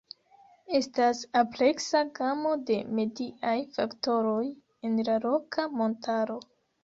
Estas ampleksa gamo de mediaj faktoroj en la Roka Montaro.